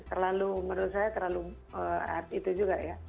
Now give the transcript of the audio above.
terlalu menurut saya terlalu itu juga ya